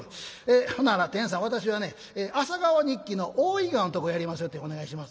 「ほなら天さん私はね『朝顔日記』の大井川のとこやりますよってお願いします」。